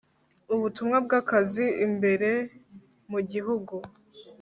ubutumwa bw akazi imbere mu gihugu